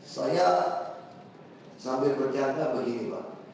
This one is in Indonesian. saya sambil bercanda begini pak